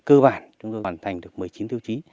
cơ bản chúng tôi hoàn thành được một mươi chín tiêu chí